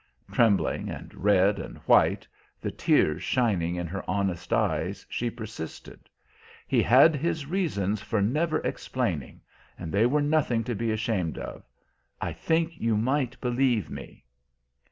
Trembling and red and white, the tears shining in her honest eyes, she persisted: "He had his reasons for never explaining, and they were nothing to be ashamed of. I think you might believe me!"